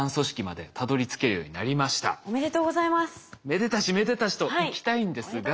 めでたしめでたしといきたいんですが。